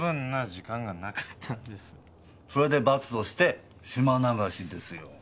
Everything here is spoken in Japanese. それで罰として島流しですよ。